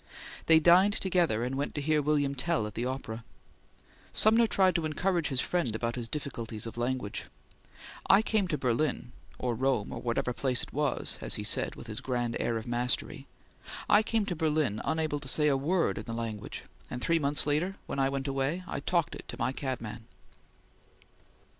They dined together and went to hear "William Tell" at the Opera. Sumner tried to encourage his friend about his difficulties of language: "I came to Berlin," or Rome, or whatever place it was, as he said with his grand air of mastery, "I came to Berlin, unable to say a word in the language; and three months later when I went away, I talked it to my cabman."